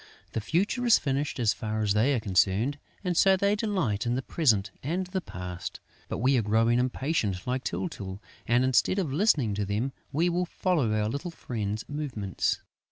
The future is finished, as far as they are concerned; and so they delight in the present and the past. But we are growing impatient, like Tyltyl; and, instead of listening to them, we will follow our little friend's movements.